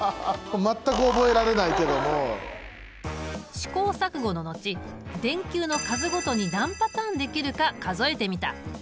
試行錯誤の後電球の数ごとに何パターンできるか数えてみた。